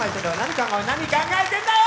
何考えてんだよ